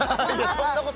そんなこと